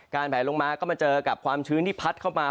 แผลลงมาก็มาเจอกับความชื้นที่พัดเข้ามา